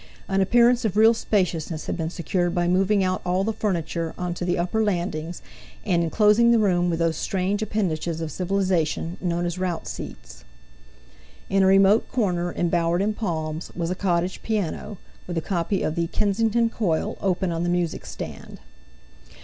An appearance of real spaciousness had been secured by moving out all the furniture on to the upper landings, and enclosing the room with those strange appendages of civilization known as "rout" seats. In a remote corner, embowered in palms, was a cottage piano, with a copy of the "Kensington Coil" open on the music stand.